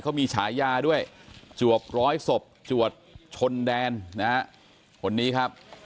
เขามีฉายาด้วยจวบร้อยศพจวดชนแดนนะฮะคนนี้ครับ